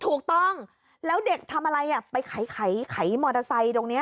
ถูกต้องแล้วเด็กทำอะไรไปไขมอเตอร์ไซค์ตรงนี้